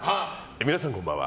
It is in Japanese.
皆さんこんばんは。